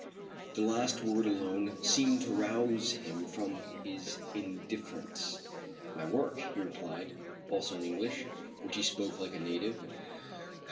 The last word alone seemed to rouse him from his indifference. "My work?" he replied, also in English, which he spoke like a native.